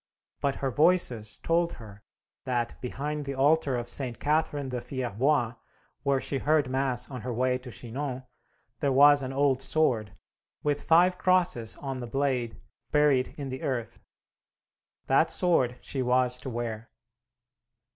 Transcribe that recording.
But her Voices told her that, behind the altar of St. Catherine de Fierbois, where she heard mass on her way to Chinori, there was an old sword, with five crosses on the blade, buried in the earth. That sword she was to wear.